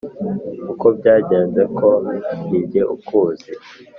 uko byagenze ko ni jye ukuzi.